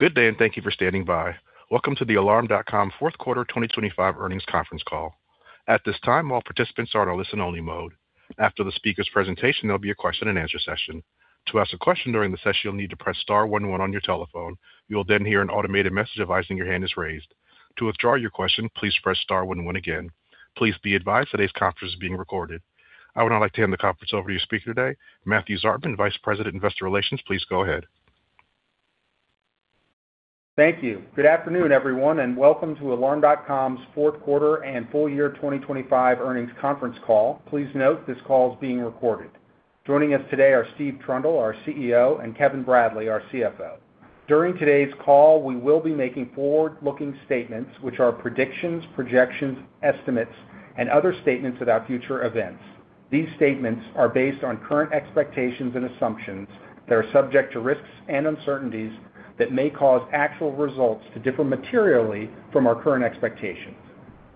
Good day, and thank you for standing by. Welcome to the Alarm.com Q4 2025 Earnings Conference Call. At this time, all participants are in a listen-only mode. After the speaker's presentation, there'll be a question-and-answer session. To ask a question during the session, you'll need to press star one one on your telephone. You'll then hear an automated message advising your hand is raised. To withdraw your question, please press star one one again. Please be advised today's conference is being recorded. I would now like to hand the conference over to your speaker today, Matthew Zartman, Vice President, Investor Relations. Please go ahead. Thank you. Good afternoon, everyone, and welcome to Alarm.com's Q4 and full year 2025 earnings conference call. Please note, this call is being recorded. Joining us today are Steve Trundle, our CEO, and Kevin Bradley, our CFO. During today's call, we will be making forward-looking statements, which are predictions, projections, estimates, and other statements about future events. These statements are based on current expectations and assumptions that are subject to risks and uncertainties that may cause actual results to differ materially from our current expectations.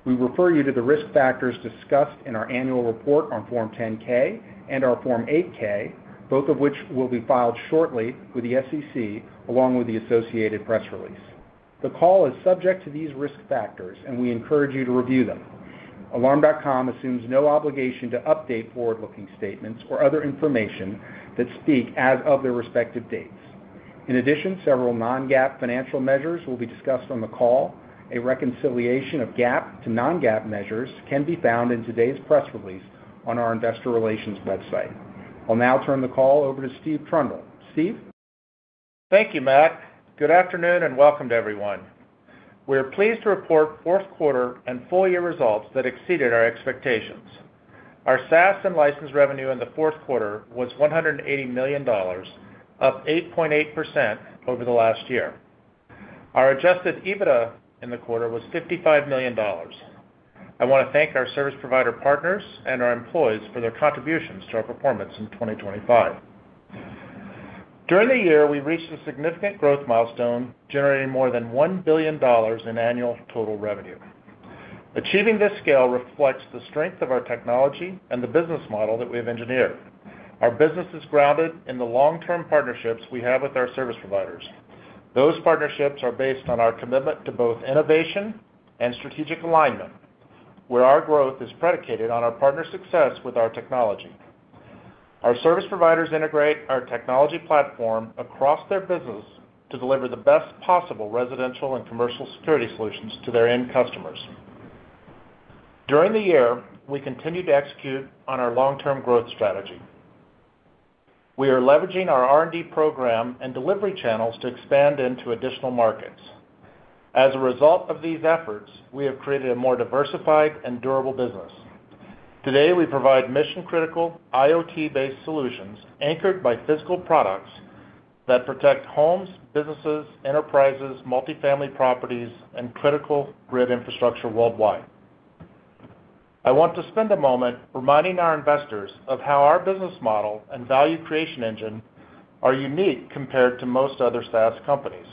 We refer you to the risk factors discussed in our annual report on Form 10-K and our Form 8-K, both of which will be filed shortly with the SEC, along with the associated press release. The call is subject to these risk factors, and we encourage you to review them. Alarm.com assumes no obligation to update forward-looking statements or other information that speak as of their respective dates. In addition, several non-GAAP financial measures will be discussed on the call. A reconciliation of GAAP to non-GAAP measures can be found in today's press release on our investor relations website. I'll now turn the call over to Steve Trundle. Steve? Thank you, Matt. Good afternoon, and welcome to everyone. We are pleased to report Q4 and full year results that exceeded our expectations. Our SaaS and license revenue in the Q4 was $180 million, up 8.8% over the last year. Our adjusted EBITDA in the quarter was $55 million. I wanna thank our service provider partners and our employees for their contributions to our performance in 2025. During the year, we reached a significant growth milestone, generating more than $1 billion in annual total revenue. Achieving this scale reflects the strength of our technology and the business model that we have engineered. Our business is grounded in the long-term partnerships we have with our service providers. Those partnerships are based on our commitment to both innovation and strategic alignment, where our growth is predicated on our partner success with our technology. Our service providers integrate our technology platform across their business to deliver the best possible residential and commercial security solutions to their end customers. During the year, we continued to execute on our long-term growth strategy. We are leveraging our R&D program and delivery channels to expand into additional markets. As a result of these efforts, we have created a more diversified and durable business. Today, we provide mission-critical, IoT-based solutions anchored by physical products that protect homes, businesses, enterprises, multifamily properties, and critical grid infrastructure worldwide. I want to spend a moment reminding our investors of how our business model and value creation engine are unique compared to most other SaaS companies.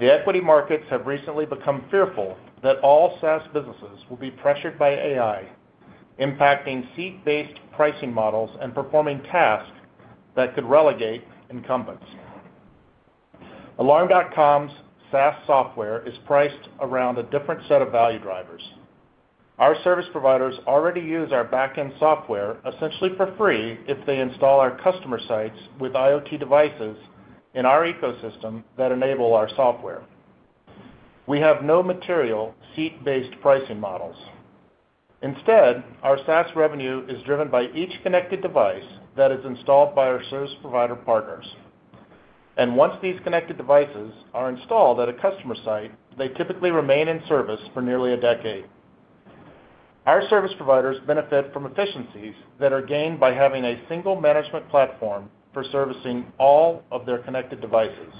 The equity markets have recently become fearful that all SaaS businesses will be pressured by AI, impacting seat-based pricing models and performing tasks that could relegate incumbents. Alarm.com's SaaS software is priced around a different set of value drivers. Our service providers already use our back-end software essentially for free if they install our customer sites with IoT devices in our ecosystem that enable our software. We have no material seat-based pricing models. Instead, our SaaS revenue is driven by each connected device that is installed by our service provider partners. Once these connected devices are installed at a customer site, they typically remain in service for nearly a decade. Our service providers benefit from efficiencies that are gained by having a single management platform for servicing all of their connected devices.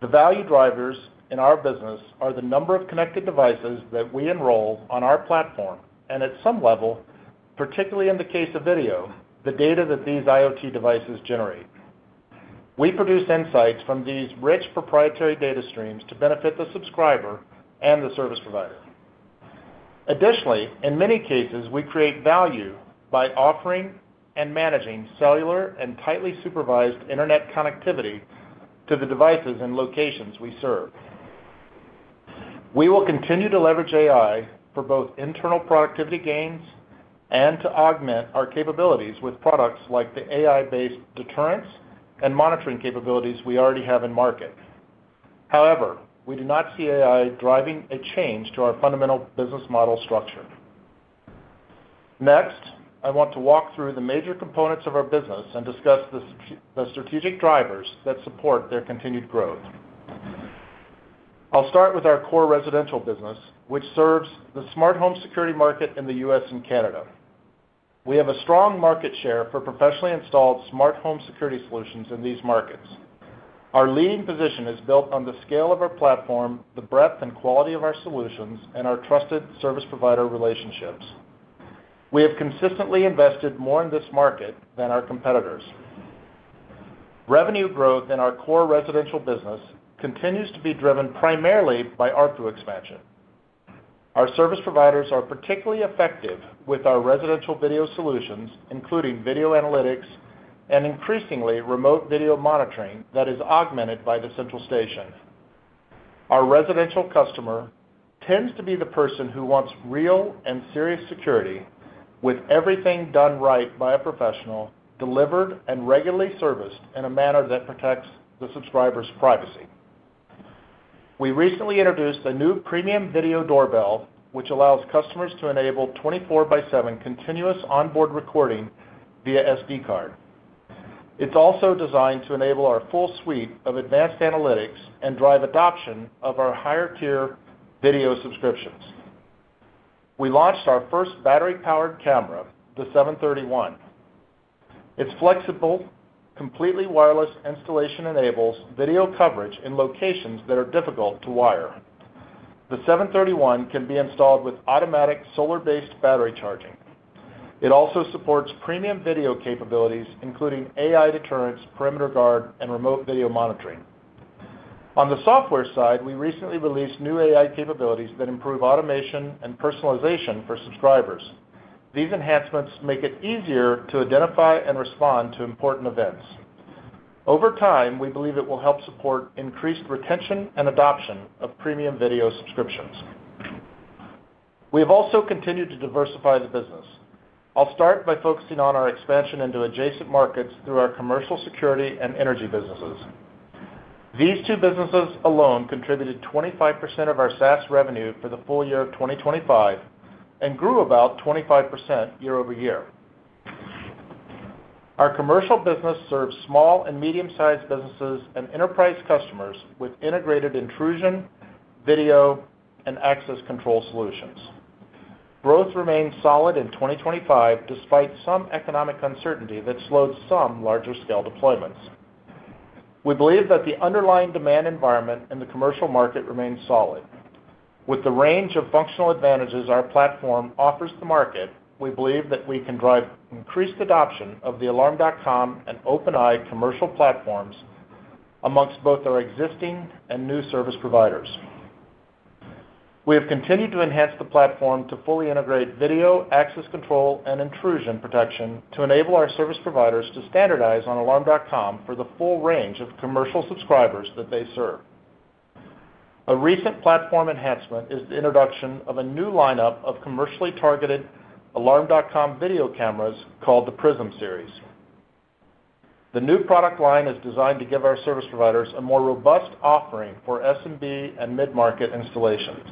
The value drivers in our business are the number of connected devices that we enroll on our platform, and at some level, particularly in the case of video, the data that these IoT devices generate. We produce insights from these rich, proprietary data streams to benefit the subscriber and the service provider. Additionally, in many cases, we create value by offering and managing cellular and tightly supervised internet connectivity to the devices and locations we serve. We will continue to leverage AI for both internal productivity gains and to augment our capabilities with products like the AI-based deterrence and monitoring capabilities we already have in market. However, we do not see AI driving a change to our fundamental business model structure. Next, I want to walk through the major components of our business and discuss the strategic drivers that support their continued growth. I'll start with our core residential business, which serves the smart home security market in the US and Canada. We have a strong market share for professionally installed smart home security solutions in these markets. Our leading position is built on the scale of our platform, the breadth and quality of our solutions, and our trusted service provider relationships. We have consistently invested more in this market than our competitors. Revenue growth in our core residential business continues to be driven primarily by ARPU expansion. Our service providers are particularly effective with our residential video solutions, including video analytics and increasingly remote video monitoring that is augmented by the central station. Our residential customer tends to be the person who wants real and serious security, with everything done right by a professional, delivered and regularly serviced in a manner that protects the subscriber's privacy. We recently introduced a new premium video doorbell, which allows customers to enable 24/7 continuous onboard recording via SD card. It's also designed to enable our full suite of advanced analytics and drive adoption of our higher-tier video subscriptions. We launched our first battery-powered camera, the 731. It's flexible, completely wireless installation enables video coverage in locations that are difficult to wire. The 731 can be installed with automatic solar-based battery charging. It also supports premium video capabilities, including AI deterrence, Perimeter Guard, and remote video monitoring. On the software side, we recently released new AI capabilities that improve automation and personalization for subscribers. These enhancements make it easier to identify and respond to important events. Over time, we believe it will help support increased retention and adoption of premium video subscriptions. We have also continued to diversify the business. I'll start by focusing on our expansion into adjacent markets through our commercial security and energy businesses. These two businesses alone contributed 25% of our SaaS revenue for the full year of 2025 and grew about 25% year-over-year. Our commercial business serves small and medium-sized businesses and enterprise customers with integrated intrusion, video, and access control solutions. Growth remained solid in 2025, despite some economic uncertainty that slowed some larger-scale deployments. We believe that the underlying demand environment in the commercial market remains solid. With the range of functional advantages our platform offers the market, we believe that we can drive increased adoption of the Alarm.com and OpenEye commercial platforms amongst both our existing and new service providers. We have continued to enhance the platform to fully integrate video, access control, and intrusion protection to enable our service providers to standardize on Alarm.com for the full range of commercial subscribers that they serve. A recent platform enhancement is the introduction of a new lineup of commercially targeted Alarm.com video cameras called the Prism Series. The new product line is designed to give our service providers a more robust offering for SMB and mid-market installations.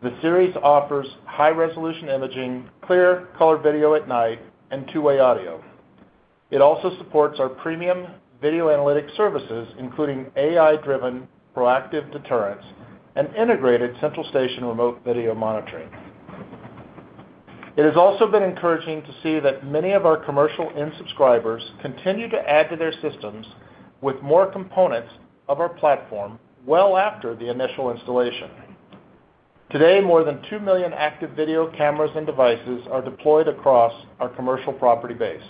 The series offers high-resolution imaging, clear color video at night, and two-way audio. It also supports our premium video analytics services, including AI-driven proactive deterrence and integrated central station remote video monitoring. It has also been encouraging to see that many of our commercial end subscribers continue to add to their systems with more components of our platform, well after the initial installation. Today, more than 2 million active video cameras and devices are deployed across our commercial property base.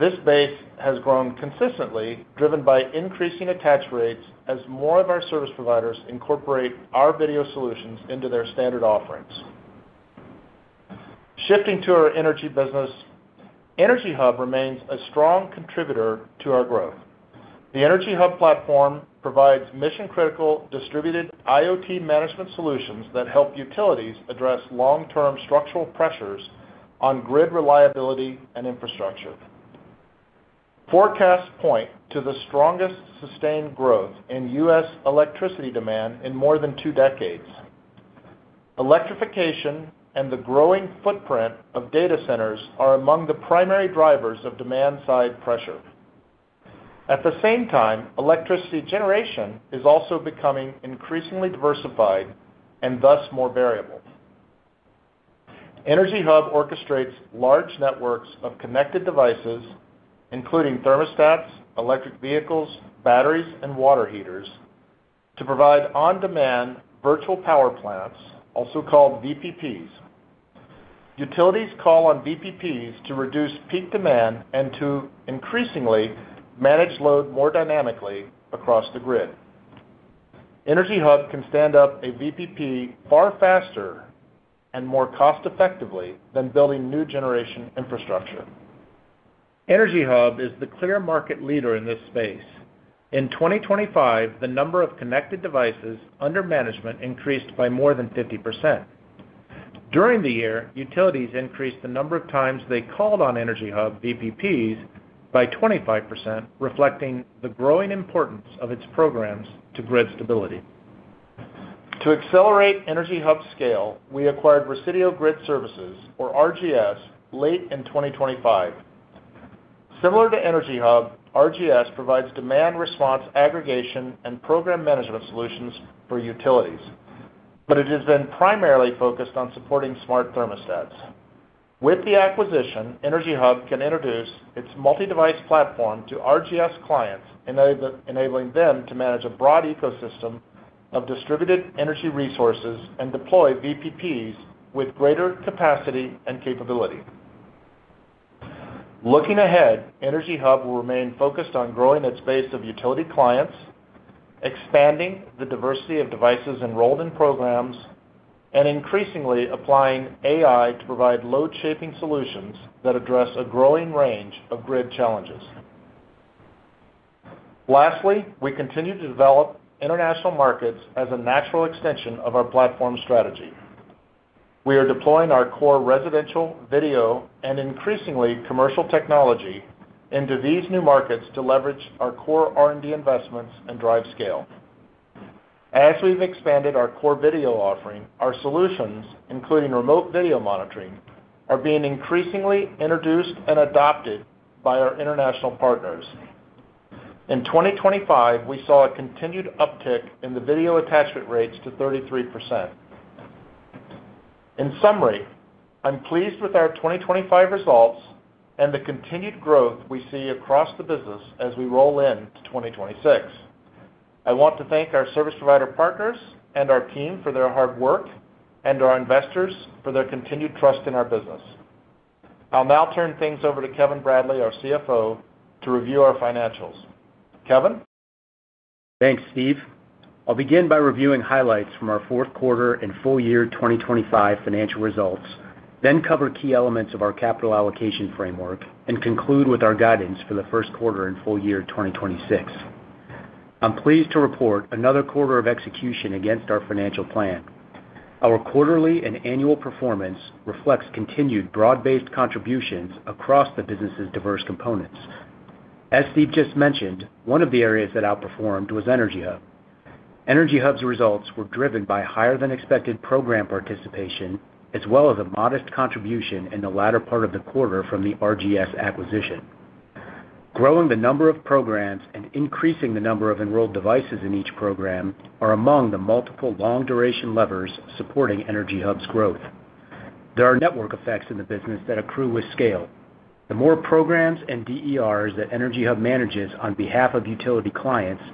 This base has grown consistently, driven by increasing attach rates as more of our service providers incorporate our video solutions into their standard offerings. Shifting to our energy business, EnergyHub remains a strong contributor to our growth. The EnergyHub platform provides mission-critical, distributed IoT management solutions that help utilities address long-term structural pressures on grid reliability and infrastructure. Forecasts point to the strongest sustained growth in US electricity demand in more than two decades. Electrification and the growing footprint of data centers are among the primary drivers of demand-side pressure. At the same time, electricity generation is also becoming increasingly diversified and thus more variable. EnergyHub orchestrates large networks of connected devices, including thermostats, electric vehicles, batteries, and water heaters, to provide on-demand virtual power plants, also called VPPs. Utilities call on VPPs to reduce peak demand and to increasingly manage load more dynamically across the grid. EnergyHub can stand up a VPP far faster and more cost-effectively than building new generation infrastructure. EnergyHub is the clear market leader in this space. In 2025, the number of connected devices under management increased by more than 50%. During the year, utilities increased the number of times they called on EnergyHub VPPs by 25%, reflecting the growing importance of its programs to grid stability. To accelerate EnergyHub's scale, we acquired Resideo Grid Services, or RGS, late in 2025. Similar to EnergyHub, RGS provides demand response, aggregation, and program management solutions for utilities, but it has been primarily focused on supporting smart thermostats. With the acquisition, EnergyHub can introduce its multi-device platform to RGS clients, enabling them to manage a broad ecosystem of distributed energy resources and deploy VPPs with greater capacity and capability. Looking ahead, EnergyHub will remain focused on growing its base of utility clients, expanding the diversity of devices enrolled in programs, and increasingly applying AI to provide load-shaping solutions that address a growing range of grid challenges. Lastly, we continue to develop international markets as a natural extension of our platform strategy. We are deploying our core residential, video, and increasingly commercial technology into these new markets to leverage our core R&D investments and drive scale. As we've expanded our core video offering, our solutions, including remote video monitoring, are being increasingly introduced and adopted by our international partners. In 2025, we saw a continued uptick in the video attachment rates to 33%. In summary, I'm pleased with our 2025 results and the continued growth we see across the business as we roll into 2026. I want to thank our service provider partners and our team for their hard work, and our investors for their continued trust in our business. I'll now turn things over to Kevin Bradley, our CFO, to review our financials. Kevin? Thanks, Steve. I'll begin by reviewing highlights from our Q4 and full year 2025 financial results, then cover key elements of our capital allocation framework, and conclude with our guidance for the Q1 and full year 2026. I'm pleased to report another quarter of execution against our financial plan. Our quarterly and annual performance reflects continued broad-based contributions across the business's diverse components. As Steve just mentioned, one of the areas that outperformed was EnergyHub. EnergyHub's results were driven by higher-than-expected program participation, as well as a modest contribution in the latter part of the quarter from the RGS acquisition. Growing the number of programs and increasing the number of enrolled devices in each program are among the multiple long-duration levers supporting EnergyHub's growth. There are network effects in the business that accrue with scale. The more programs and DERs that EnergyHub manages on behalf of utility clients,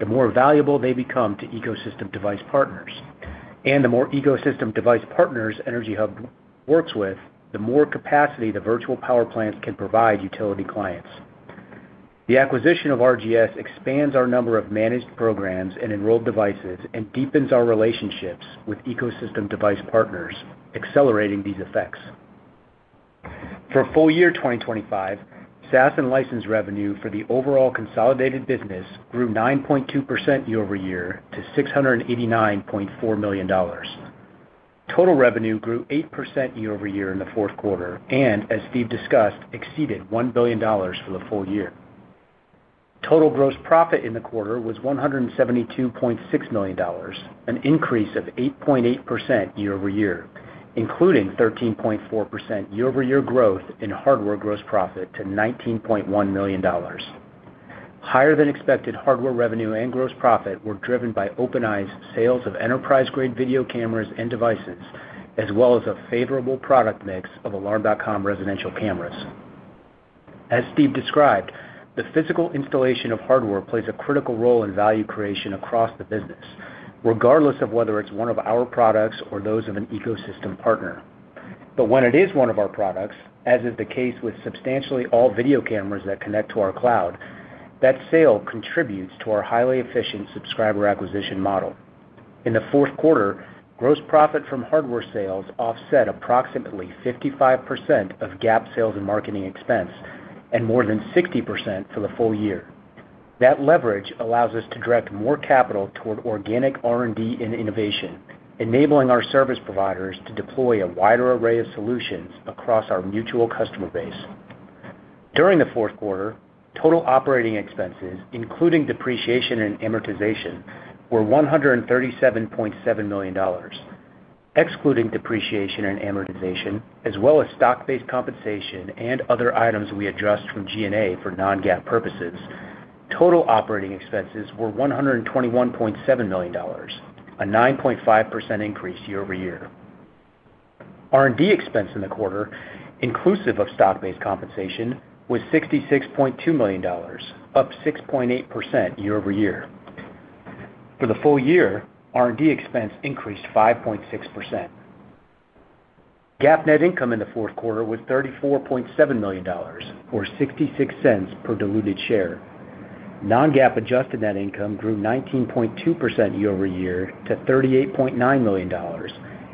the more valuable they become to ecosystem device partners. The more ecosystem device partners EnergyHub works with, the more capacity the Virtual Power Plant can provide utility clients. The acquisition of RGS expands our number of managed programs and enrolled devices and deepens our relationships with ecosystem device partners, accelerating these effects. For full year 2025, SaaS and licensed revenue for the overall consolidated business grew 9.2% year-over-year to $689.4 million. Total revenue grew 8% year-over-year in the Q4, and, as Steve discussed, exceeded $1 billion for the full year. Total gross profit in the quarter was $172.6 million, an increase of 8.8% year-over-year, including 13.4% year-over-year growth in hardware gross profit to $19.1 million. Higher-than-expected hardware revenue and gross profit were driven by OpenEye's sales of enterprise-grade video cameras and devices, as well as a favorable product mix of Alarm.com residential cameras. As Steve described, the physical installation of hardware plays a critical role in value creation across the business, regardless of whether it's one of our products or those of an ecosystem partner. But when it is one of our products, as is the case with substantially all video cameras that connect to our cloud, that sale contributes to our highly efficient subscriber acquisition model. In the Q4, gross profit from hardware sales offset approximately 55% of GAAP sales and marketing expense, and more than 60% for the full year. That leverage allows us to direct more capital toward organic R&D and innovation, enabling our service providers to deploy a wider array of solutions across our mutual customer base. During the Q4, total operating expenses, including depreciation and amortization, were $137.7 million. Excluding depreciation and amortization, as well as stock-based compensation and other items we adjusted from GAAP for non-GAAP purposes, total operating expenses were $121.7 million, a 9.5% increase year-over-year. R&D expense in the quarter, inclusive of stock-based compensation, was $66.2 million, up 6.8% year-over-year. For the full year, R&D expense increased 5.6%. GAAP net income in the Q4 was $34.7 million, or $0.66 per diluted share. Non-GAAP adjusted net income grew 19.2% year-over-year to $38.9 million,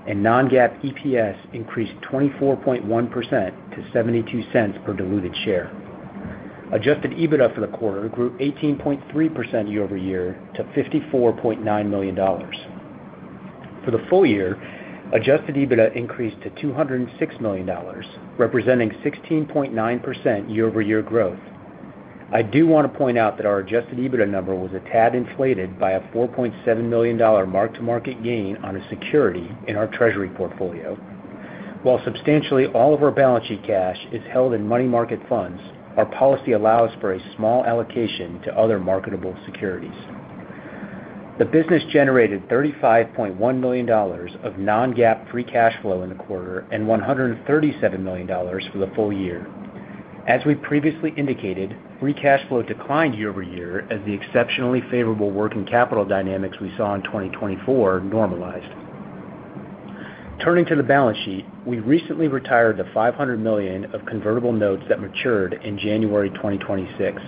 and non-GAAP EPS increased 24.1% to $0.72 per diluted share. Adjusted EBITDA for the quarter grew 18.3% year-over-year to $54.9 million. For the full year, adjusted EBITDA increased to $206 million, representing 16.9% year-over-year growth. I do want to point out that our adjusted EBITDA number was a tad inflated by a $4.7 million mark-to-market gain on a security in our treasury portfolio. While substantially all of our balance sheet cash is held in money market funds, our policy allows for a small allocation to other marketable securities. The business generated $35.1 million of non-GAAP free cash flow in the quarter, and $137 million for the full year. As we previously indicated, free cash flow declined year-over-year as the exceptionally favorable working capital dynamics we saw in 2024 normalized. Turning to the balance sheet, we recently retired the $500 million of convertible notes that matured in January 2026.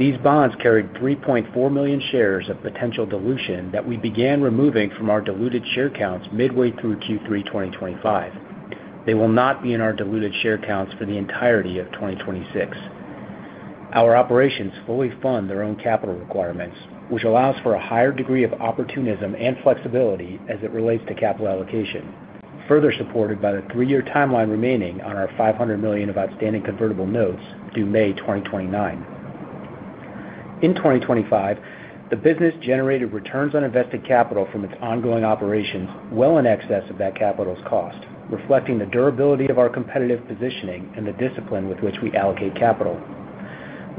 These bonds carried 3.4 million shares of potential dilution that we began removing from our diluted share counts midway through Q3 2025. They will not be in our diluted share counts for the entirety of 2026. Our operations fully fund their own capital requirements, which allows for a higher degree of opportunism and flexibility as it relates to capital allocation, further supported by the three-year timeline remaining on our $500 million of outstanding convertible notes due May 2029. In 2025, the business generated returns on invested capital from its ongoing operations well in excess of that capital's cost, reflecting the durability of our competitive positioning and the discipline with which we allocate capital.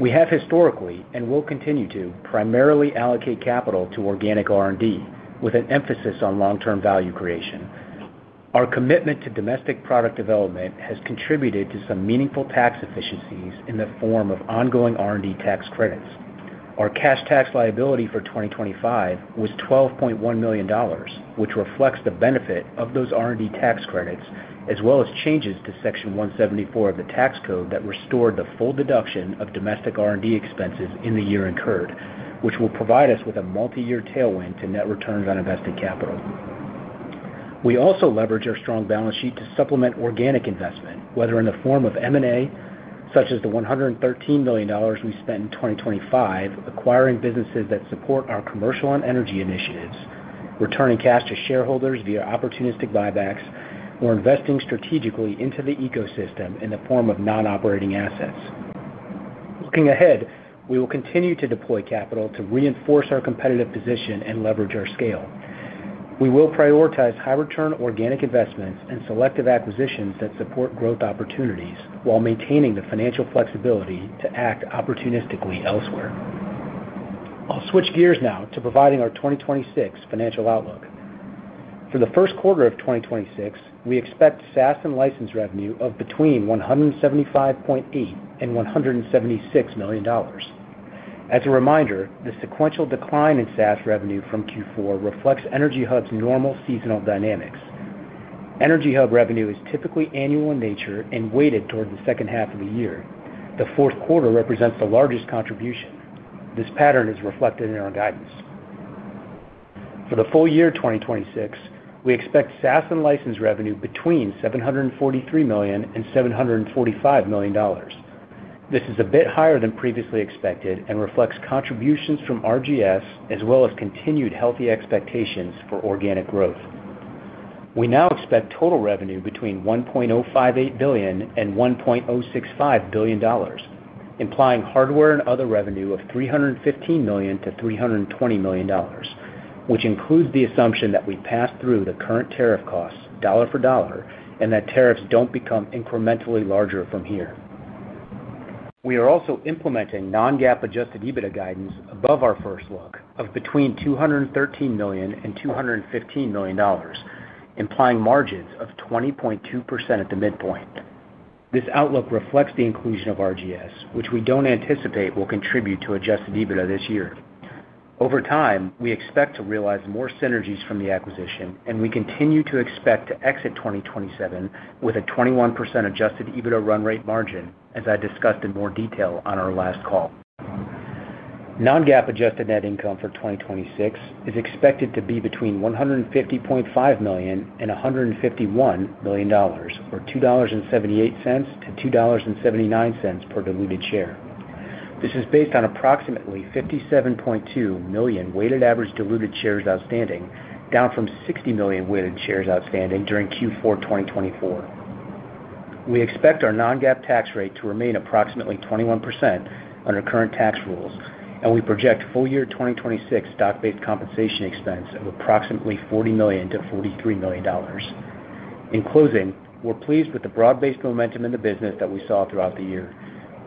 We have historically, and will continue to, primarily allocate capital to organic R&D, with an emphasis on long-term value creation. Our commitment to domestic product development has contributed to some meaningful tax efficiencies in the form of ongoing R&D tax credits. Our cash tax liability for 2025 was $12.1 million, which reflects the benefit of those R&D tax credits, as well as changes to Section 174 of the tax code that restored the full deduction of domestic R&D expenses in the year incurred, which will provide us with a multi-year tailwind to net returns on invested capital. We also leverage our strong balance sheet to supplement organic investment, whether in the form of M&A, such as the $113 million we spent in 2025, acquiring businesses that support our commercial and energy initiatives, returning cash to shareholders via opportunistic buybacks, or investing strategically into the ecosystem in the form of non-operating assets. Looking ahead, we will continue to deploy capital to reinforce our competitive position and leverage our scale. We will prioritize high-return organic investments and selective acquisitions that support growth opportunities while maintaining the financial flexibility to act opportunistically elsewhere. I'll switch gears now to providing our 2026 financial outlook. For the Q1 of 2026, we expect SaaS and license revenue of between $175.8 million and $176 million. As a reminder, the sequential decline in SaaS revenue from Q4 reflects EnergyHub's normal seasonal dynamics. EnergyHub revenue is typically annual in nature and weighted toward the H2 of the year. The Q4 represents the largest contribution. This pattern is reflected in our guidance. For the full year 2026, we expect SaaS and license revenue between $743 million and $745 million. This is a bit higher than previously expected and reflects contributions from RGS, as well as continued healthy expectations for organic growth. We now expect total revenue between $1.058 billion and $1.065 billion, implying hardware and other revenue of $315 to 320 million, which includes the assumption that we pass through the current tariff costs dollar for dollar and that tariffs don't become incrementally larger from here. We are also implementing non-GAAP adjusted EBITDA guidance above our first look of between $213 million and $215 million, implying margins of 20.2% at the midpoint. This outlook reflects the inclusion of RGS, which we don't anticipate will contribute to adjusted EBITDA this year. Over time, we expect to realize more synergies from the acquisition, and we continue to expect to exit 2027 with a 21% adjusted EBITDA run rate margin, as I discussed in more detail on our last call. Non-GAAP adjusted net income for 2026 is expected to be between $150.5 million and $151 million, or $2.78 to 2.79 per diluted share. This is based on approximately 57.2 million weighted average diluted shares outstanding, down from 60 million weighted shares outstanding during Q4 2024. We expect our non-GAAP tax rate to remain approximately 21% under current tax rules, and we project full year 2026 stock-based compensation expense of approximately $40 to 43 million. In closing, we're pleased with the broad-based momentum in the business that we saw throughout the year.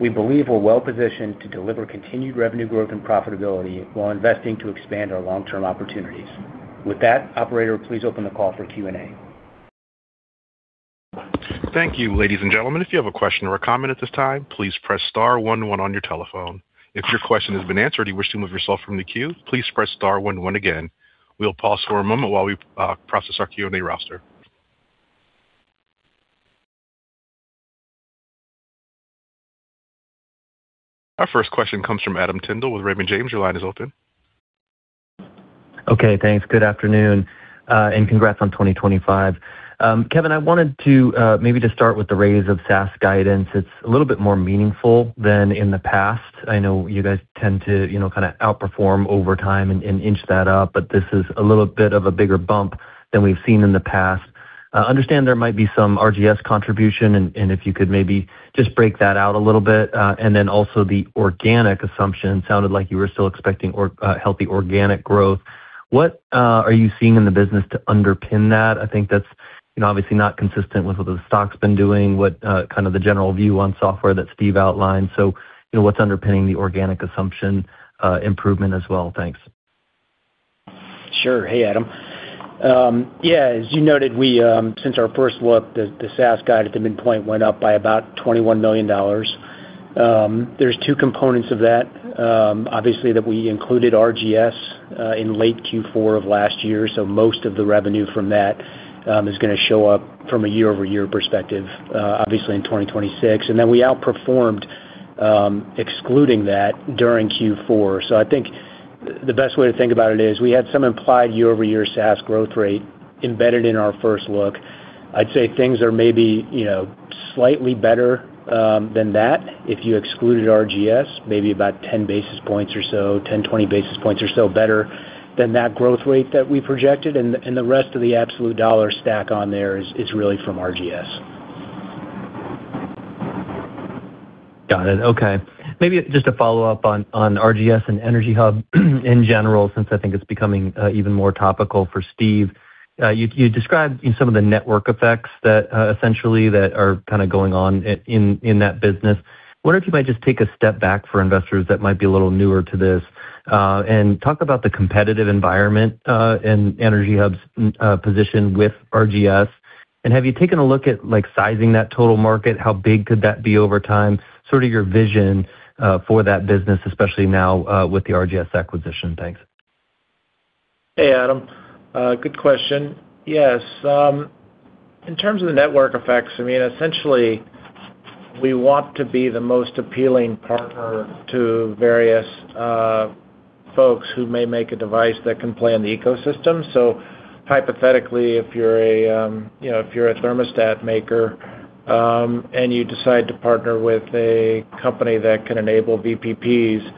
We believe we're well positioned to deliver continued revenue growth and profitability while investing to expand our long-term opportunities. With that, Operator, please open the call for Q&A. Thank you, ladies and gentlemen. If you have a question or a comment at this time, please press star one one on your telephone. If your question has been answered and you wish to remove yourself from the queue, please press star one one again. We'll pause for a moment while we process our Q&A roster. Our first question comes from Adam Tindle with Raymond James. Your line is open. Okay, thanks. Good afternoon, and congrats on 2025. Kevin, I wanted to maybe just start with the raise of SaaS guidance. It's a little bit more meaningful than in the past. I know you guys tend to, you know, kind of outperform over time and inch that up, but this is a little bit of a bigger bump than we've seen in the past. I understand there might be some RGS contribution, and if you could maybe just break that out a little bit. Also, the organic assumption sounded like you were still expecting healthy organic growth. What are you seeing in the business to underpin that? I think that's, you know, obviously not consistent with what the stock's been doing, what kind of the general view on software that Steve outlined. You know, what's underpinning the organic assumption, improvement as well? Thanks. Sure. Hey, Adam. Yeah, as you noted, we, since our first look, the SaaS guide at the midpoint went up by about $21 million. There's two components of that. Obviously, that we included RGS in late Q4 of last year, so most of the revenue from that is going to show up from a year-over-year perspective, obviously in 2026. Then we outperformed, excluding that during Q4. I think the best way to think about it is we had some implied year-over-year SaaS growth rate embedded in our first look. I'd say things are maybe, you know, slightly better than that if you excluded RGS, maybe about 10 basis points or so, 10 to 20 basis points or so better than that growth rate that we projected, and the rest of the absolute dollar stack on there is really from RGS. Got it. Okay. Maybe just to follow up on RGS and EnergyHub in general, since I think it's becoming even more topical for Steve. You described some of the network effects that essentially that are kind of going on in that business. Wonder if you might just take a step back for investors that might be a little newer to this and talk about the competitive environment and EnergyHub's position with RGS. Have you taken a look at, like, sizing that total market? How big could that be over time? Sort of your vision for that business, especially now with the RGS acquisition. Thanks. Hey, Adam, good question. Yes, in terms of the network effects, I mean, essentially, we want to be the most appealing partner to various, you know, folks who may make a device that can play in the ecosystem. Hypothetically, you know, if you're a thermostat maker, and you decide to partner with a company that can enable VPPs,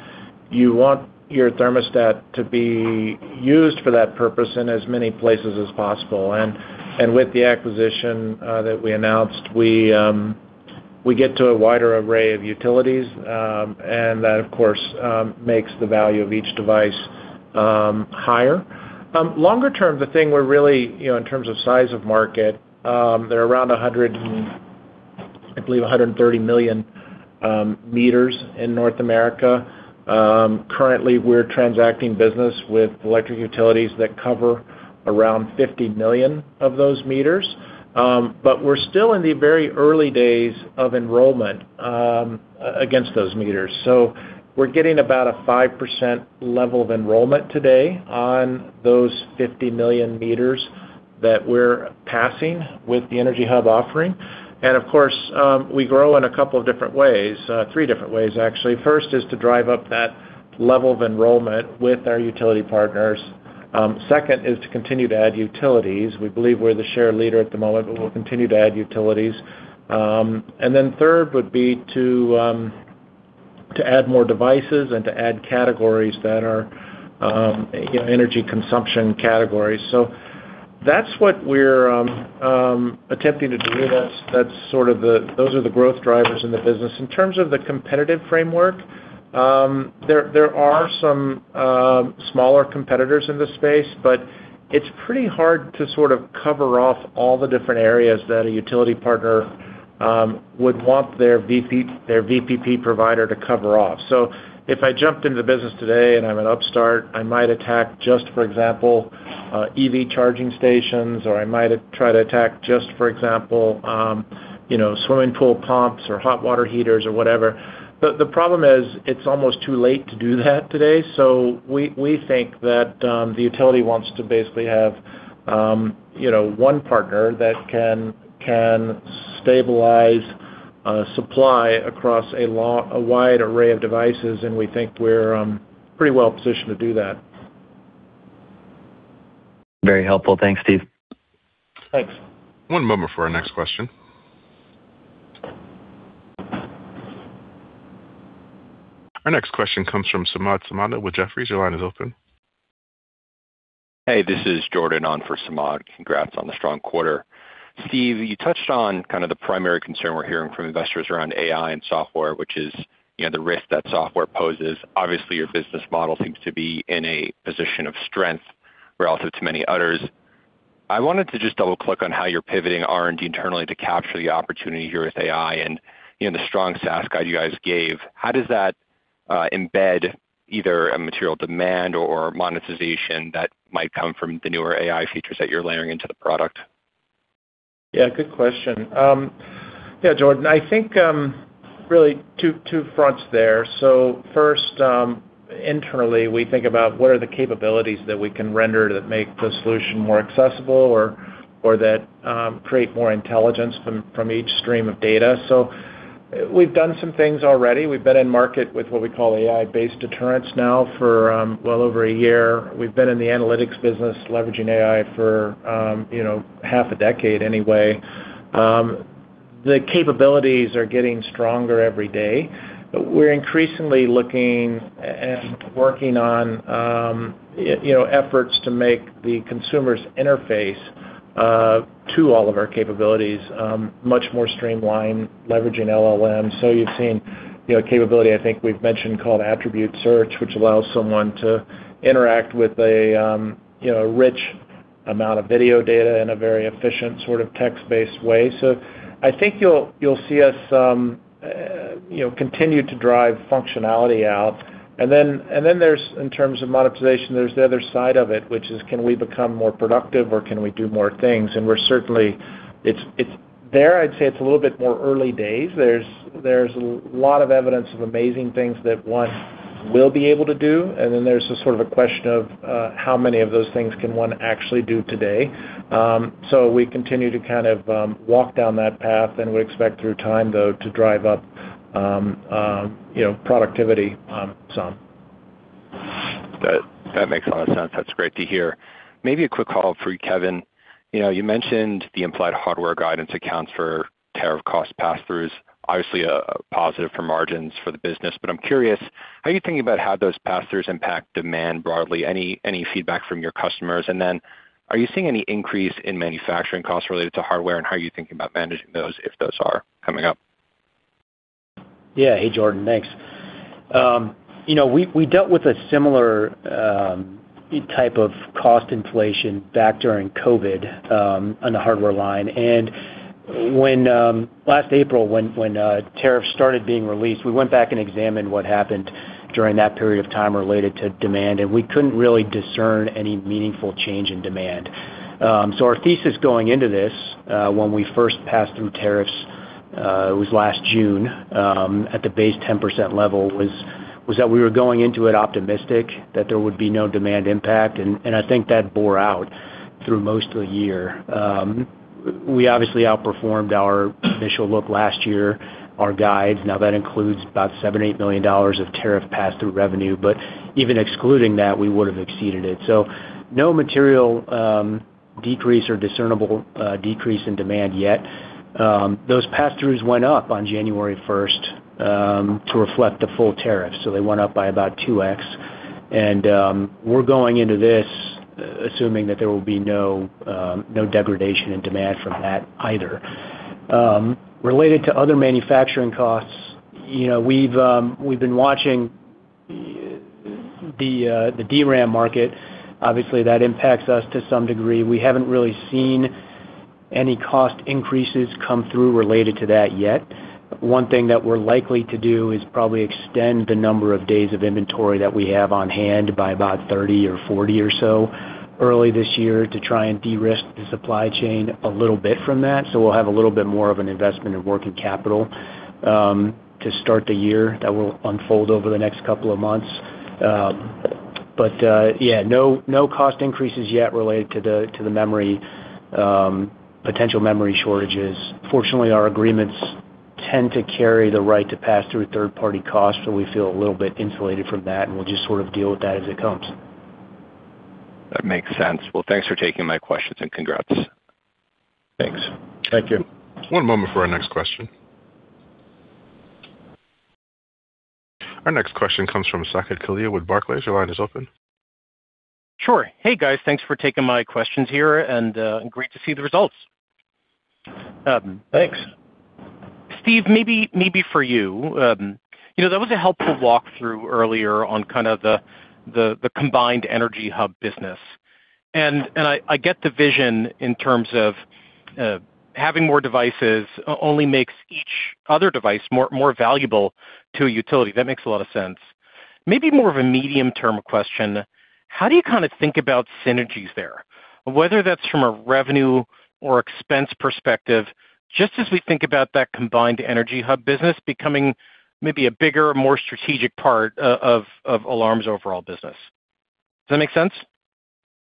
you want your thermostat to be used for that purpose in as many places as possible. With the acquisition that we announced, we get to a wider array of utilities, and that, of course, makes the value of each device higher. Longer term, the thing we're really, you know, in terms of size of market, there are around, I believe, 130 million meters in North America. Currently, we're transacting business with electric utilities that cover around 50 million of those meters, but we're still in the very early days of enrollment against those meters. We're getting about a 5% level of enrollment today on those 50 million meters that we're passing with the EnergyHub offering. Of course, we grow in a couple of different ways, three different ways, actually. First is to drive up that level of enrollment with our utility partners. Second is to continue to add utilities. We believe we're the share leader at the moment, but we'll continue to add utilities. Then third would be to add more devices and to add categories that are, you know, energy consumption categories. That's what we're attempting to do. Those are the growth drivers in the business. In terms of the competitive framework, there are some smaller competitors in this space, but it's pretty hard to sort of cover off all the different areas that a utility partner would want their VPP provider to cover off. If I jumped into the business today and I'm an upstart, I might attack just, for example, EV charging stations, or I might try to attack just, for example, you know, swimming pool pumps or hot water heaters or whatever. The problem is, it's almost too late to do that today, so we think that the utility wants to basically have, you know, one partner that can stabilize supply across a wide array of devices, and we think we're pretty well positioned to do that. Very helpful. Thanks, Steve. Thanks. One moment for our next question. Our next question comes from Samad Samana with Jefferies. Your line is open. Hey, this is Jordan on for Samad. Congrats on the strong quarter. Steve, you touched on kind of the primary concern we're hearing from investors around AI and software, which is, you know, the risk that software poses. Obviously, your business model seems to be in a position of strength relative to many others. I wanted to just double-click on how you're pivoting R&D internally to capture the opportunity here with AI and, you know, the strong SaaS guide you guys gave. How does that embed either a material demand or monetization that might come from the newer AI features that you're layering into the product? Yeah, good question. Yeah, Jordan, I think, really two fronts there. First, internally, we think about what are the capabilities that we can render that make the solution more accessible or that create more intelligence from each stream of data. We've done some things already. We've been in market with what we call AI-based deterrence now for, well over a year. We've been in the analytics business, leveraging AI for, you know, half a decade anyway. The capabilities are getting stronger every day. We're increasingly looking and working on, you know, efforts to make the consumer's interface, to all of our capabilities, much more streamlined, leveraging LLM. You've seen, you know, a capability I think we've mentioned called attribute search, which allows someone to interact with a, you know, rich amount of video data in a very efficient, sort of text-based way. I think you'll, you'll see us, you know, continue to drive functionality out. Then in terms of monetization, there's the other side of it, which is can we become more productive or can we do more things? We're certainly, it's there. I'd say it's a little bit more early days. There's a lot of evidence of amazing things that one will be able to do, and then there's a sort of a question of how many of those things can one actually do today. We continue to kind of, you know, productivity on some. That makes a lot of sense. That's great to hear. Maybe a quick follow-up for you, Kevin. You know, you mentioned the implied hardware guidance accounts for tariff cost passthroughs, obviously, a positive for margins for the business. I'm curious, how are you thinking about how those passthroughs impact demand broadly? Any feedback from your customers? Then are you seeing any increase in manufacturing costs related to hardware, and how are you thinking about managing those, if those are coming up? Yeah. Hey, Jordan. Thanks. You know, we dealt with a similar type of cost inflation back during COVID on the hardware line. Last April, when tariffs started being released, we went back and examined what happened during that period of time related to demand, and we couldn't really discern any meaningful change in demand. Our thesis going into this, when we first passed through tariffs, it was last June, at the base 10% level, was that we were going into it optimistic, that there would be no demand impact, and I think that bore out through most of the year. We obviously outperformed our initial look last year, our guides. Now, that includes about $7 to 8 million of tariff pass-through revenue, but even excluding that, we would have exceeded it. So no material decrease or discernible decrease in demand yet. Those passthroughs went up on January first to reflect the full tariff, so they went up by about 2x. We're going into this assuming that there will be no degradation in demand from that either. Related to other manufacturing costs, you know, we've been watching the DRAM market. Obviously, that impacts us to some degree. We haven't really seen any cost increases come through related to that yet. One thing that we're likely to do is probably extend the number of days of inventory that we have on hand by about 30 or 40 or so early this year to try and de-risk the supply chain a little bit from that, so we'll have a little bit more of an investment in working capital to start the year. That will unfold over the next couple of months. Yeah, no cost increases yet related to the memory, potential memory shortages. Fortunately, our agreements tend to carry the right to pass through a third-party cost, so we feel a little bit insulated from that, and we'll just sort of deal with that as it comes. That makes sense. Well, thanks for taking my questions, and congrats. Thanks. Thank you. One moment for our next question. Our next question comes from Saket Kalia with Barclays. Your line is open. Sure. Hey, guys, thanks for taking my questions here, and great to see the results. Thanks. Steve, maybe for you. You know, that was a helpful walk-through earlier on kind of the combined EnergyHub business. I get the vision in terms of having more devices only makes each other device more valuable to a utility. That makes a lot of sense. Maybe more of a medium-term question: How do you kind of think about synergies there, whether that's from a revenue or expense perspective, just as we think about that combined EnergyHub business becoming maybe a bigger, more strategic part of Alarm's overall business? Does that make sense?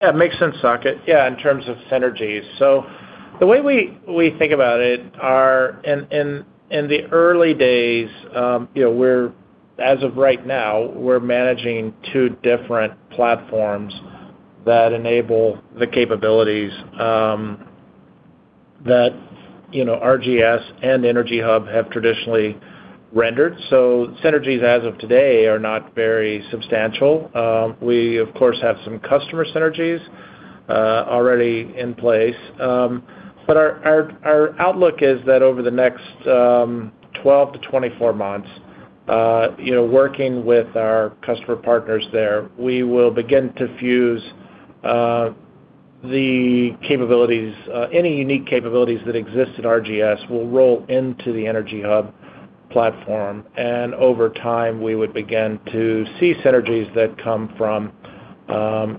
Yeah, it makes sense, Saket. Yeah, in terms of synergies. The way we think about it, in the early days, you know, as of right now, we're managing two different platforms that enable the capabilities, that, you know, RGS and EnergyHub have traditionally rendered, so synergies, as of today, are not very substantial. We, of course, have some customer synergies already in place. Our outlook is that over the next 12 to 24 months, you know, working with our customer partners there, we will begin to fuse the capabilities, any unique capabilities that exist at RGS will roll into the EnergyHub platform. Over time, we would begin to see synergies that come from,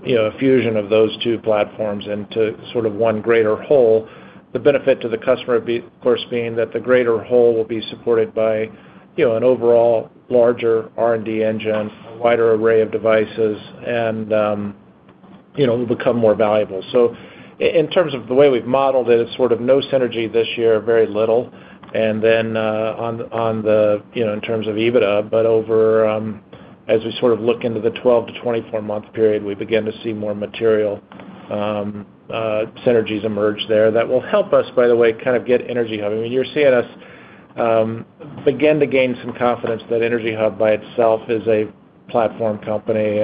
you know, a fusion of those two platforms into sort of one greater whole. The benefit to the customer, of course, being that the greater whole will be supported by, you know, an overall larger R&D engine, a wider array of devices, and, you know, will become more valuable. In terms of the way we've modeled this, it's sort of no synergy this year, very little, and then, you know, in terms of EBITDA. But as we sort of look into the 12- to 24-month period, we begin to see more material, synergies emerge there. That will help us, by the way, kind of get EnergyHub. I mean, you're seeing us begin to gain some confidence that EnergyHub by itself is a platform company,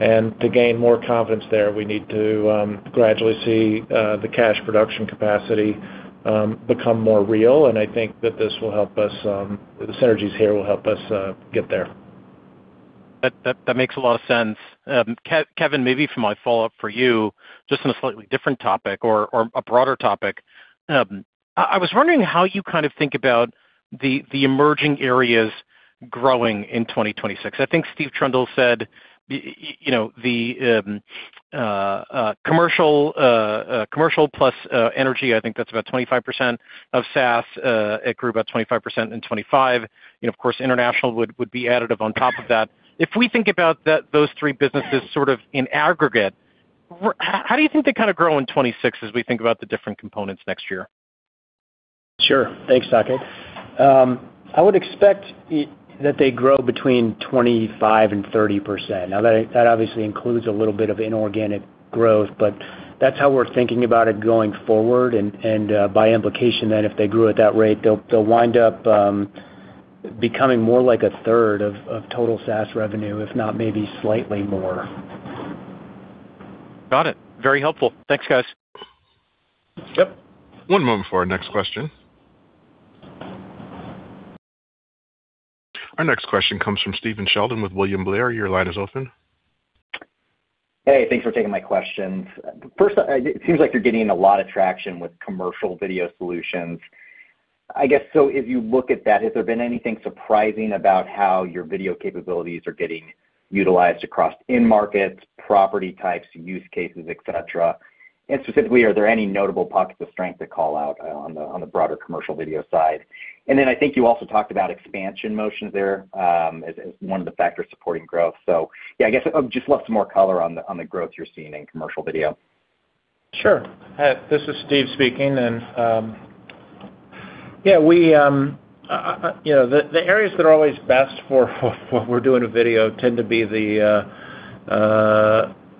and to gain more confidence there, we need to gradually see the cash production capacity become more real, and I think that this will help us. The synergies here will help us get there. That makes a lot of sense. Kevin, maybe for my follow-up for you, just on a slightly different topic or a broader topic. I was wondering how you kind of think about the emerging areas growing in 2026. I think Steve Trundle said, you know, the commercial plus energy, I think that's about 25% of SaaS. It grew about 25% in 2025. You know, of course, international would be additive on top of that. If we think about those three businesses sort of in aggregate, how do you think they kind of grow in 2026 as we think about the different components next year? Sure. Thanks, Saket. I would expect that they grow between 25% and 30%. Now, that obviously includes a little bit of inorganic growth, but that's how we're thinking about it going forward, and by implication, that if they grew at that rate, they'll wind up becoming more like a third of total SaaS revenue, if not maybe slightly more. Got it. Very helpful. Thanks, guys. Yep. One moment for our next question. Our next question comes from Stephen Sheldon with William Blair. Your line is open. Hey, thanks for taking my questions. First, it seems like you're getting a lot of traction with commercial video solutions. I guess, so if you look at that, has there been anything surprising about how your video capabilities are getting utilized across end markets, property types, use cases, et cetera? Specifically, are there any notable pockets of strength to call out, on the broader commercial video side? Then I think you also talked about expansion motions there, as one of the factors supporting growth. I guess I would just love some more color on the growth you're seeing in commercial video. Sure. This is Steve speaking. You know, the areas that are always best for doing a video tend to be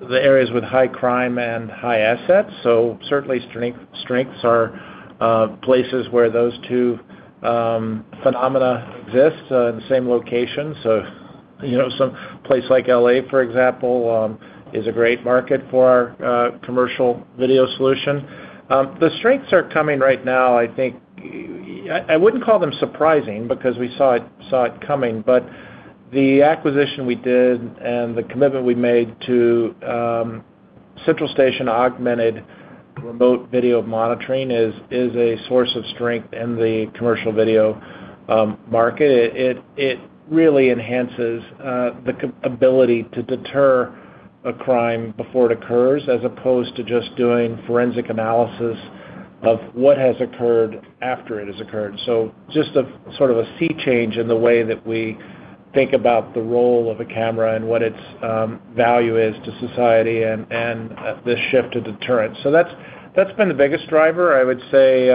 the areas with high crime and high assets, so certainly strengths are places where those two phenomena exist in the same location. So, you know, some place like LA, for example, is a great market for our commercial video solution. The strengths are coming right now, I think, I wouldn't call them surprising because we saw it coming, but the acquisition we did and the commitment we made to central station augmented remote video monitoring is a source of strength in the commercial video market. It really enhances the capability to deter a crime before it occurs, as opposed to just doing forensic analysis of what has occurred after it has occurred. Just a sort of a sea change in the way that we think about the role of a camera and what its value is to society and this shift to deterrent. That's been the biggest driver. I would say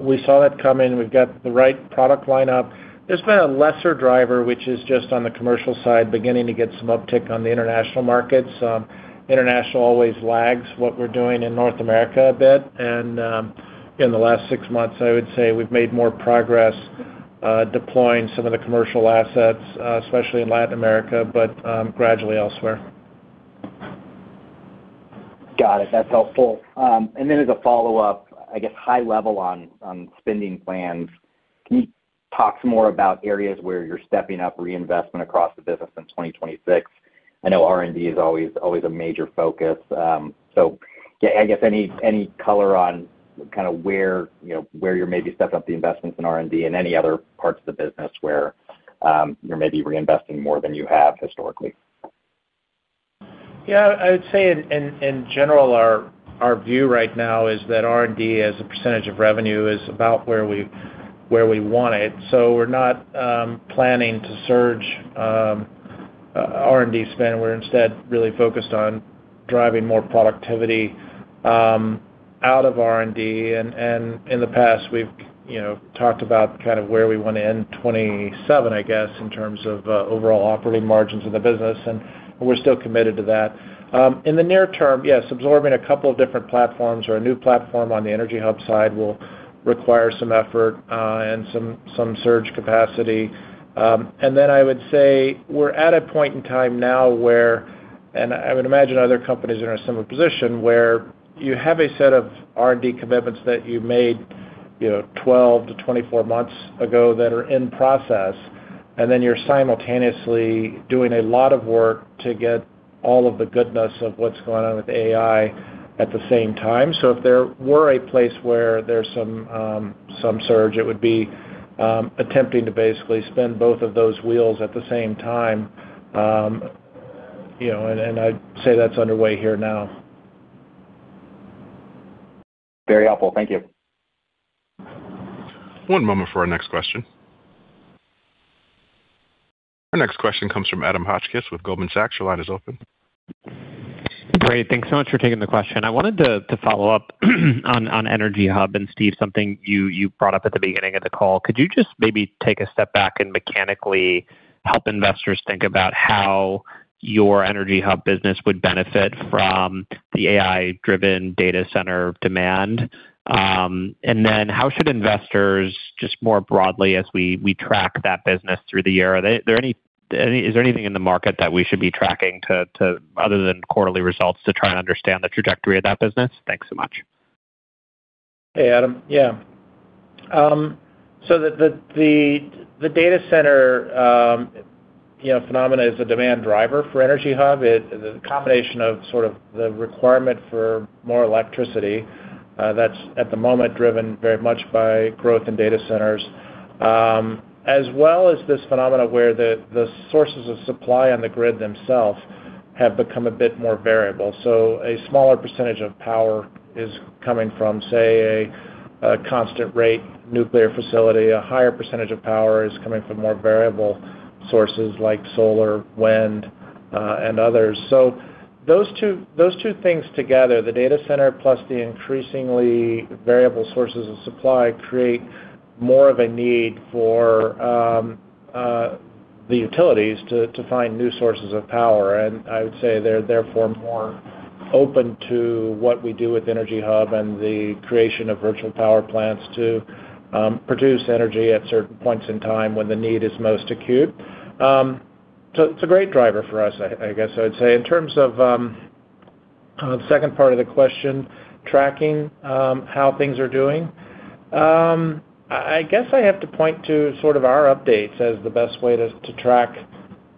we saw that coming. We've got the right product lineup. There's been a lesser driver, which is just on the commercial side, beginning to get some uptick on the international markets. International always lags what we're doing in North America a bit, and in the last six months, I would say we've made more progress deploying some of the commercial assets, especially in Latin America, but gradually elsewhere. Got it. That's helpful. Then as a follow-up, I guess, high level on spending plans, can you talk more about areas where you're stepping up reinvestment across the business in 2026? I know R&D is always a major focus. I guess any color on kind of, you know, where you're maybe stepping up the investments in R&D and any other parts of the business where you're maybe reinvesting more than you have historically? I would say in general, our view right now is that R&D, as a percentage of revenue, is about where we want it. We're not planning to surge R&D spend. We're instead really focused on driving more productivity out of R&D. In the past we've, you know, talked about kind of where we want to end 2027, I guess, in terms of overall operating margins in the business, and we're still committed to that. In the near term, yes, absorbing a couple of different platforms or a new platform on the EnergyHub side will require some effort and some surge capacity. Then I would say we're at a point in time now where, and I would imagine other companies are in a similar position, where you have a set of R&D commitments that you made, you know, 12 to 24 months ago that are in process, and then you're simultaneously doing a lot of work to get all of the goodness of what's going on with AI at the same time. If there were a place where there's some surge, it would be attempting to basically spin both of those wheels at the same time. You know, and I'd say that's underway here now. Very helpful. Thank you. One moment for our next question. Our next question comes from Adam Hotchkiss with Goldman Sachs. Your line is open. Great. Thanks so much for taking the question. I wanted to follow up on EnergyHub, and Steve, something you brought up at the beginning of the call. Could you just maybe take a step back and mechanically help investors think about how your EnergyHub business would benefit from the AI-driven data center demand? Then how should investors, just more broadly, as we track that business through the year, is there anything in the market that we should be tracking other than quarterly results to try and understand the trajectory of that business? Thanks so much. Hey, Adam. Yeah. The data center, you know, phenomena is a demand driver for EnergyHub. The combination of sort of the requirement for more electricity, that's at the moment driven very much by growth in data centers, as well as this phenomena where the sources of supply on the grid themselves have become a bit more variable. So a smaller percentage of power is coming from, say, a constant rate nuclear facility. A higher percentage of power is coming from more variable sources like solar, wind, and others. Those two things together, the data center plus the increasingly variable sources of supply create more of a need for the utilities to find new sources of power. I would say they're therefore more open to what we do with EnergyHub and the creation of virtual power plants to produce energy at certain points in time when the need is most acute. It's a great driver for us, I guess I would say. In terms of the second part of the question, tracking how things are doing, I guess I have to point to sort of our updates as the best way to track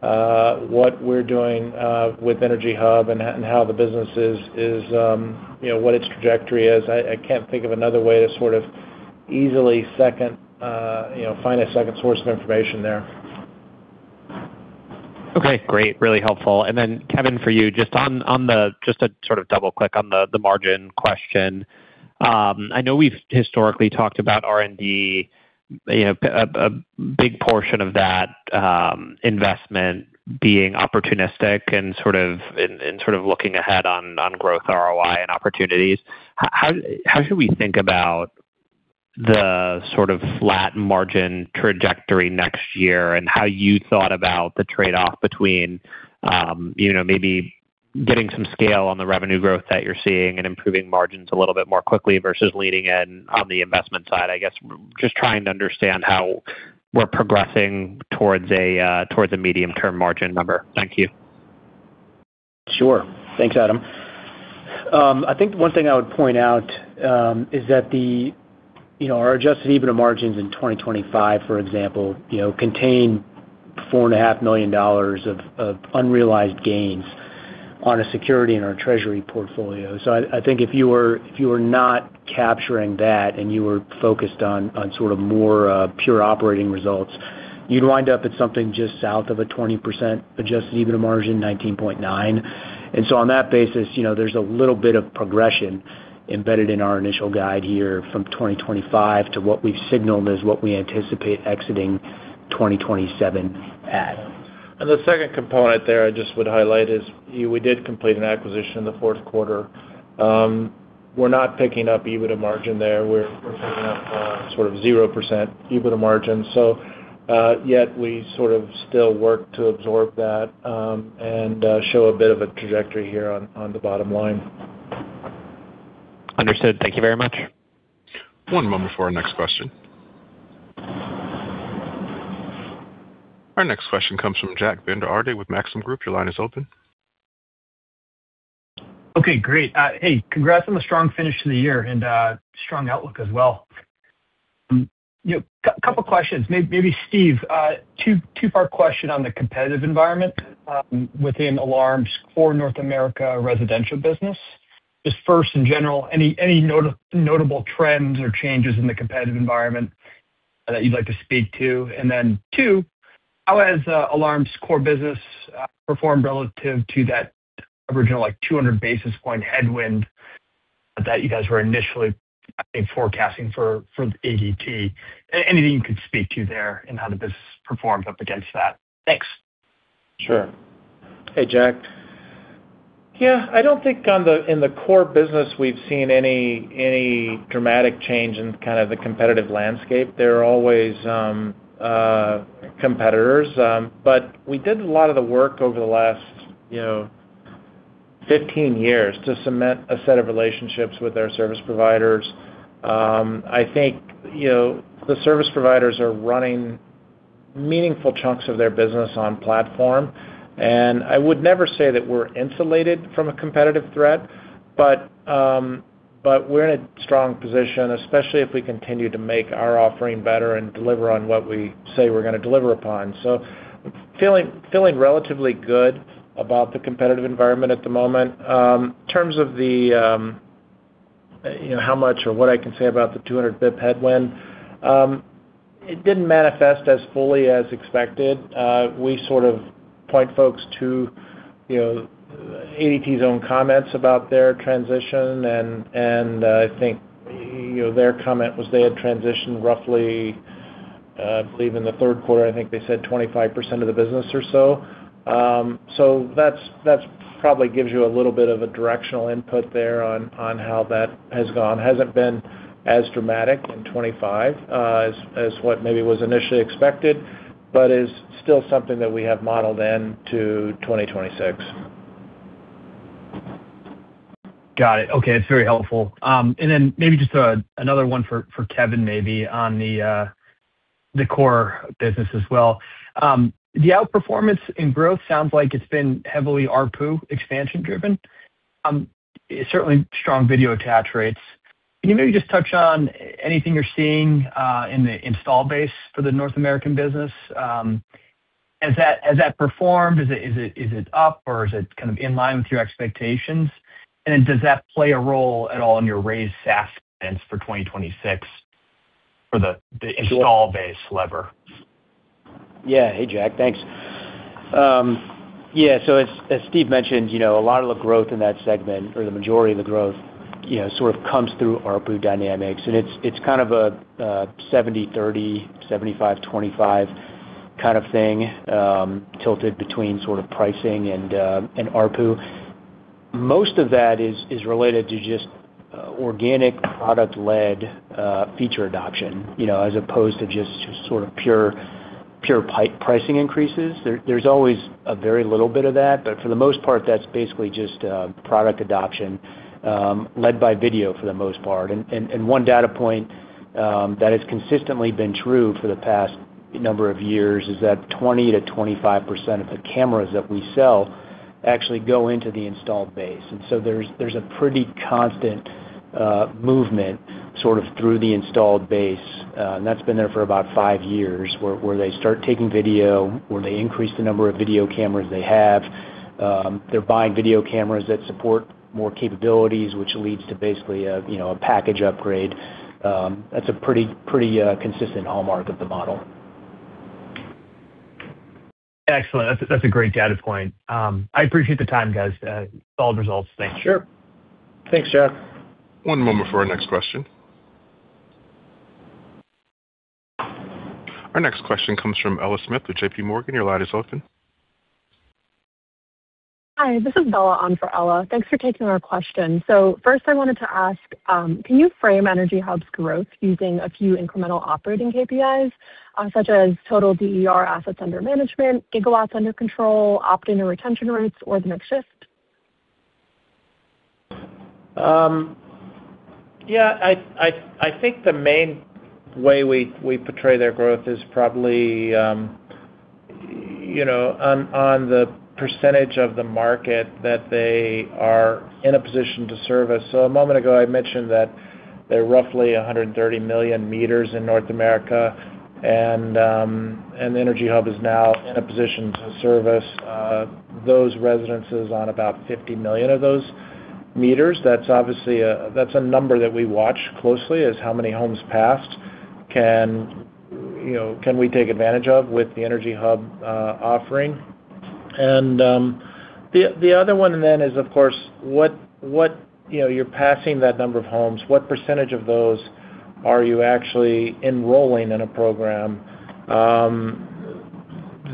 what we're doing with EnergyHub and how the business is, you know, what its trajectory is. I can't think of another way to sort of easily find a second source of information there. Okay, great. Really helpful. Then, Kevin, for you, just on the margin question, just to sort of double-click on the margin question. I know we've historically talked about R&D, you know, a big portion of that investment being opportunistic and sort of looking ahead on growth ROI and opportunities. How should we think about the sort of flat margin trajectory next year, and how you thought about the trade-off between, you know, maybe getting some scale on the revenue growth that you're seeing and improving margins a little bit more quickly versus leading in on the investment side? I guess just trying to understand how we're progressing towards a medium-term margin number. Thank you. Sure. Thanks, Adam. I think one thing I would point out is that the, you know, our adjusted EBITDA margins in 2025, for example, you know, contain $4.5 million of unrealized gains on a security in our treasury portfolio. I think if you were not capturing that and you were focused on sort of more pure operating results, you'd wind up at something just south of a 20% adjusted EBITDA margin, 19.9. On that basis, you know, there's a little bit of progression embedded in our initial guide here from 2025 to what we've signaled is what we anticipate exiting 2027 at. The second component there I just would highlight is, we did complete an acquisition in the Q4. We're not picking up EBITDA margin there. We're picking up sort of 0% EBITDA margin, so, yet we sort of still work to absorb that and show a bit of a trajectory here on the bottom line. Understood. Thank you very much. One moment before our next question. Our next question comes from Jack Vander Aarde with Maxim Group. Your line is open. Okay, great. Hey, congrats on the strong finish to the year and strong outlook as well. You know, couple questions. Maybe, Steve, two-part question on the competitive environment within Alarm's core North America residential business. Just first, in general, any notable trends or changes in the competitive environment that you'd like to speak to? Then, two, how has Alarm's core business performed relative to that original, like, 200 basis point headwind that you guys were initially, I think, forecasting for ADT? Anything you could speak to there and how the business performed up against that? Thanks. Sure. Hey, Jack. Yeah, I don't think in the core business we've seen any dramatic change in kind of the competitive landscape. There are always competitors, but we did a lot of the work over the last, you know, 15 years to cement a set of relationships with our service providers. I think, you know, the service providers are running meaningful chunks of their business on platform, and I would never say that we're insulated from a competitive threat, but we're in a strong position, especially if we continue to make our offering better and deliver on what we say we're gonna deliver upon, so feeling relatively good about the competitive environment at the moment. In terms of the, you know, how much or what I can say about the 200-basis-point headwind, it didn't manifest as fully as expected. We sort of point folks to, you know, ADT's own comments about their transition, and I think, you know, their comment was they had transitioned roughly, I believe, in the Q3, I think they said 25% of the business or so. That probably gives you a little bit of a directional input there on how that has gone. Hasn't been as dramatic in 2025, as what maybe was initially expected, but is still something that we have modeled in to 2026. Got it. Okay, that's very helpful. Then maybe just another one for Kevin maybe on the core business as well. The outperformance in growth sounds like it's been heavily ARPU expansion driven. Certainly strong video attach rates. Can you maybe just touch on anything you're seeing in the install base for the North American business? Has that performed? Is it up, or is it kind of in line with your expectations? Then does that play a role at all in your raised SaaS plans for 2026 for the install base lever? Yeah. Hey, Jack. Thanks. Yeah, as Steve mentioned, you know, a lot of the growth in that segment or the majority of the growth, you know, sort of comes through ARPU dynamics, and it's kind of a 70/30, 75/25 kind of thing, tilted between sort of pricing and ARPU. Most of that is related to just organic product-led feature adoption, you know, as opposed to just sort of pure pricing increases. There's always a very little bit of that, but for the most part, that's basically just product adoption, led by video for the most part. One data point that has consistently been true for the past number of years is that 20% to 25% of the cameras that we sell actually go into the installed base, so there's a pretty constant movement sort of through the installed base. That's been there for about five years, where they start taking video or they increase the number of video cameras they have. They're buying video cameras that support more capabilities, which leads to basically, you know, a package upgrade. That's a pretty, pretty consistent hallmark of the model. Excellent. That's a great data point. I appreciate the time, guys. Solid results. Thanks. Sure. Thanks, Jack. One moment for our next question. Our next question comes from Ella Smith with JPMorgan. Your line is open. Hi, this is Bella on for Ella. Thanks for taking our question. First, I wanted to ask, can you frame EnergyHub's growth using a few incremental operating KPIs, such as total DER assets under management, gigawatts under control, opt-in or retention rates, or the mix shift? Yeah, I think the main way we portray their growth is probably, you know, on the percentage of the market that they are in a position to service. A moment ago, I mentioned that there are roughly 130 million meters in North America, and the EnergyHub is now in a position to service those residences on about 50 million of those meters. Obviously, that's a number that we watch closely, is how many homes passed can, you know, can we take advantage of with the EnergyHub offering? The other one then is, of course, you know, you're passing that number of homes, what percentage of those are you actually enrolling in a program?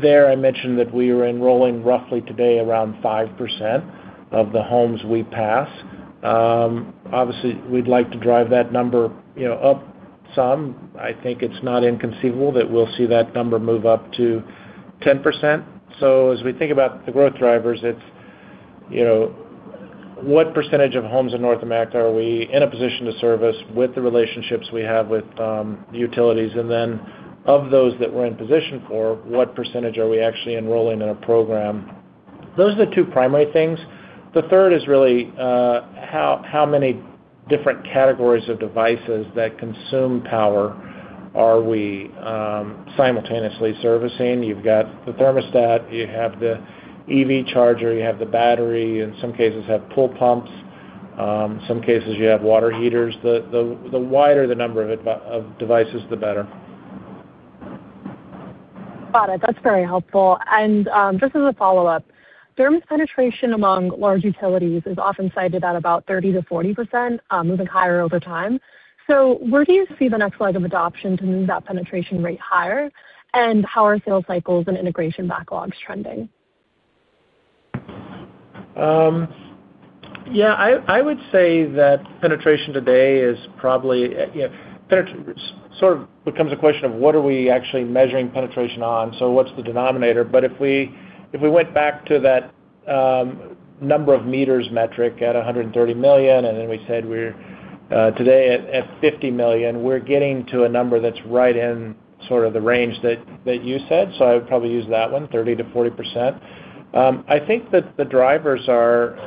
There I mentioned that we are enrolling roughly today around 5% of the homes we pass. Obviously, we'd like to drive that number, you know, up some. I think it's not inconceivable that we'll see that number move up to 10%. As we think about the growth drivers, it's, you know, what percentage of homes in North America are we in a position to service with the relationships we have with utilities? Then of those that we're in position for, what percentage are we actually enrolling in a program? Those are the two primary things. The third is really how many different categories of devices that consume power are we simultaneously servicing? You've got the thermostat, you have the EV charger, you have the battery, in some cases, you have pool pumps, some cases you have water heaters. The wider the number of devices, the better. Got it. That's very helpful. Just as a follow-up, thermostat penetration among large utilities is often cited at about 30% to 40%, moving higher over time. Where do you see the next leg of adoption to move that penetration rate higher? How are sales cycles and integration backlogs trending? Yeah, I would say that penetration today is probably, you know, sort of becomes a question of what are we actually measuring penetration on? What's the denominator? But if we went back to that number of meters metric at 130 million, and then we said we're today at 50 million, we're getting to a number that's right in sort of the range that you said, so I would probably use that 30% to 40%. I think that the drivers are,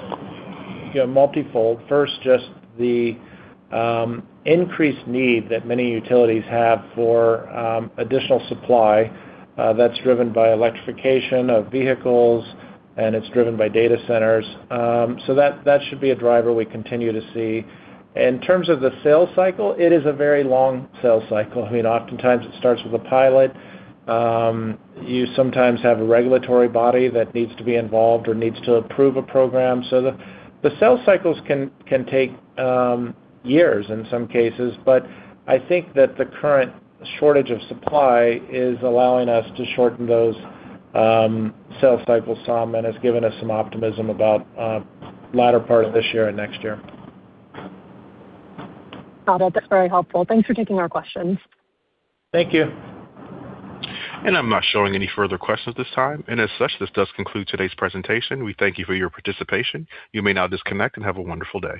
you know, multifold. First, just the increased need that many utilities have for additional supply, that's driven by electrification of vehicles, and it's driven by data centers. That should be a driver we continue to see. In terms of the sales cycle, it is a very long sales cycle. I mean, oftentimes it starts with a pilot. You sometimes have a regulatory body that needs to be involved or needs to approve a program. The sales cycles can take years in some cases, but I think that the current shortage of supply is allowing us to shorten those sales cycles some, and has given us some optimism about the latter part of this year and next year. Got it. That's very helpful. Thanks for taking our questions. Thank you. I'm not showing any further questions at this time, and as such, this does conclude today's presentation. We thank you for your participation. You may now disconnect and have a wonderful day.